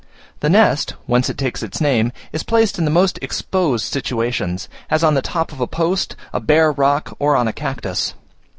The nest, whence it takes its name, is placed in the most exposed situations, as on the top of a post, a bare rock, or on a cactus.